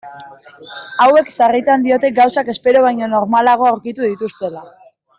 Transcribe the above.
Hauek sarritan diote gauzak espero baino normalago aurkitu dituztela.